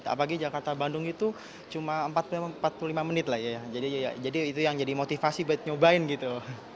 apalagi jakarta bandung itu cuma empat puluh lima menit lah ya jadi itu yang jadi motivasi buat nyobain gitu